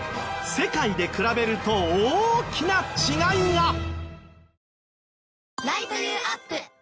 世界で比べると大きな違いが！